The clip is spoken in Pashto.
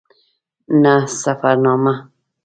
نه سفرنامه.